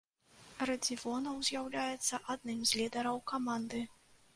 Радзівонаў з'яўляецца адным з лідараў каманды.